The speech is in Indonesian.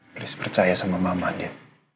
terus percaya sama mama dia